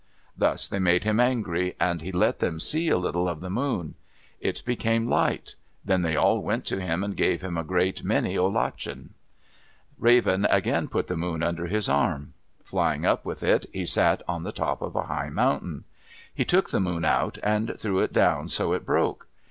Thus they made him angry, and he let them see a little of the moon. It became light. Then they all went to him and gave him a great many olachen. Raven again put the moon under his arm. Flying up with it, he sat on the top of a high mountain. He took the moon out, and threw it down so it broke.